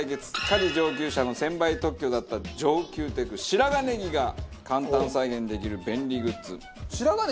家事上級者の専売特許だった上級テク白髪ネギが簡単再現できる便利グッズ。